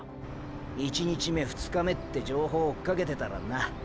１日目２日目って情報追っかけてたらな。